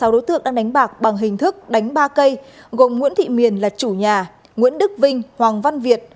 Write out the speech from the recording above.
sáu đối tượng đang đánh bạc bằng hình thức đánh ba cây gồm nguyễn thị miền là chủ nhà nguyễn đức vinh hoàng văn việt